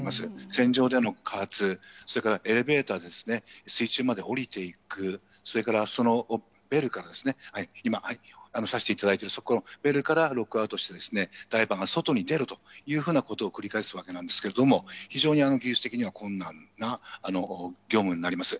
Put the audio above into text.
船上での加圧、それからエレベーターですね、水中まで下りていく、それからそのベルから、今、指していただいている、そこ、ベルからロックアウトして、ダイバーが外に出るというようなことを繰り返すわけなんですけれども、非常に技術的には困難な業務になります。